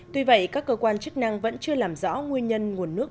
tuy vậy các cơ quan chức năng vẫn chưa làm rõ nguyên nhân nguồn nước